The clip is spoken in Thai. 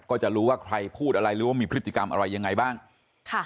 ก็จะรู้ว่าใครพูดอะไรหรือว่ามีพฤติกรรมอะไรยังไงบ้างค่ะ